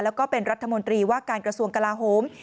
แล้วก็เป็นรัฐมนตรีว่าการกระทรวงกลาโหม